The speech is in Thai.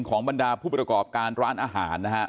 ของบรรดาผู้ประกอบการร้านอาหาร